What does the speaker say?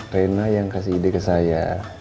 rena yang kasih ide ke saya